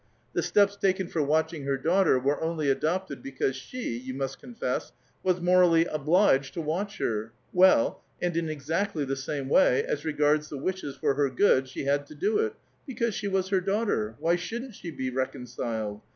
The steps taken for A VITAL QUESTION, 161 watching her daughter were only adopted because she, you must confess, was mo rally obliged to watch her ; well, and \ in exactly the same way, as regards the wishes for her good, she had to do it, because she was her daughter. Why shouldn't she be reconciled